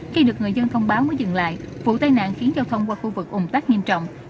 khi được người dân thông báo mới dừng lại vụ tai nạn khiến giao thông qua khu vực ủng tắc nghiêm trọng